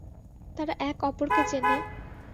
তারা এক অপরকে চেনে?